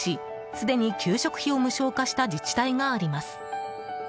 すでに給食費を無償化した自治体があります。